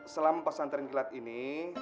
selama pesan tranquilat ini